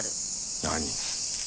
何？